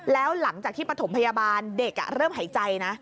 แล้วหลังจากที่ปฐมพยาบาลเด็กเริ่มหายใจนะ